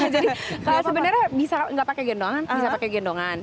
jadi sebenarnya bisa gak pakai gendongan bisa pakai gendongan